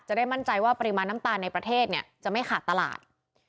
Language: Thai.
จะได้มั่นใจว่าปริมาณน้ำตาลในประเทศเนี่ยจะไม่ขาดตลาด